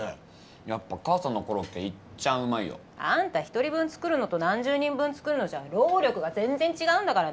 やっぱ母さんのコロッケいっちゃんうまいよ。あんた１人分作るのと何十人分作るのじゃ労力が全然違うんだからね。